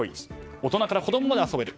大人から子供まで遊べる。